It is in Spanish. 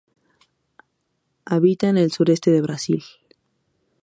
Habita en el Sureste de Brasil.